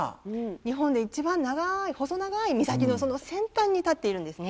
日本で一番長い細長い岬のその先端に立っているんですね。